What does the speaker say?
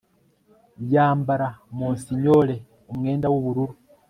yambara, monsignore, umwenda w'ubururu